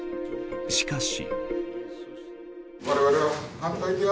しかし。